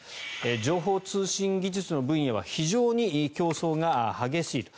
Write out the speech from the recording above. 情報通信技術の分野は非常に競争が激しいと。